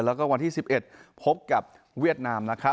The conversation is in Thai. แล้วก็วันที่๑๑พบกับเวียดน้ำ